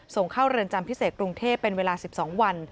ส่งเข้าเรือนจำพิเศษกรุงเทพเป็นเวลา๑๒วัน